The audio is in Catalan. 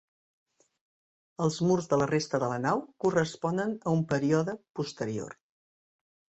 Els murs de la resta de la nau corresponen a un període posterior.